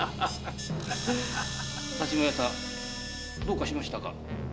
但馬屋さんどうかしましたか。